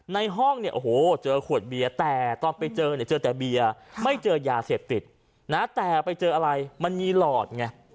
ห้องเนี่ยโอ้โหเจอขวดเบียร์แต่ตอนไปเจอเนี่ยเจอแต่เบียร์ไม่เจอยาเสพติดนะแต่ไปเจออะไรมันมีหลอดไง